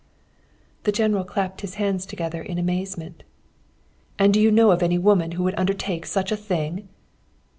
"The General clapped his hands together in amazement. "'And do you know of any woman who would undertake such a thing?'